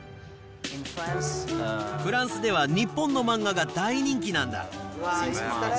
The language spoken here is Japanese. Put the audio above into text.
フランスでは、日本の漫画が大人気なんだ。